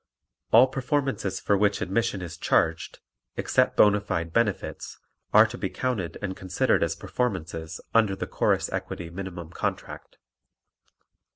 All performances for which admission is charged (except bona fide benefits) are to be counted and considered as performances under the Chorus Equity Minimum Contract.